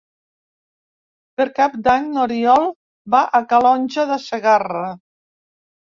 Per Cap d'Any n'Oriol va a Calonge de Segarra.